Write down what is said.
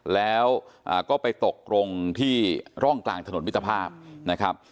แล้วก็ไปตกลงที่ร่องกลางถนนมิตรภาพนะครับ